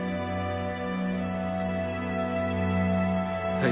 はい。